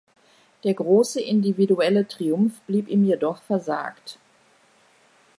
Der große individuelle Triumph blieb ihm jedoch versagt.